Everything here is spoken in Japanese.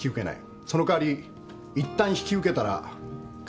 その代わりいったん引き受けたら必ずやり遂げる。